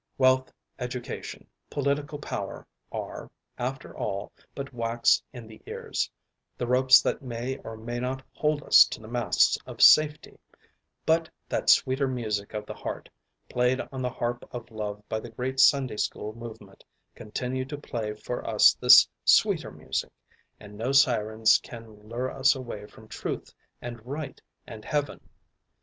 Wealth, education, political power are, after all, but wax in the ears, the ropes that may or may not hold us to the masts of safety; but that sweeter music of the heart, played on the harp of love by the fingers of faith will hold us stronger than "hoops of steel." Let the great Sunday school movement continue to play for us this sweeter music, and no sirens can lure us away from truth and right and heaven.